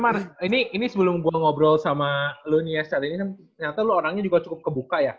iya tapi mar ini sebelum gue ngobrol sama lu nih ya saat ini ternyata lu orangnya juga cukup kebuka ya